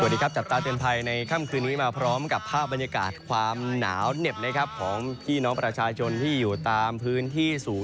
สวัสดีครับจับตาเตือนภัยในค่ำคืนนี้มาพร้อมกับภาพบรรยากาศความหนาวเหน็บนะครับของพี่น้องประชาชนที่อยู่ตามพื้นที่สูง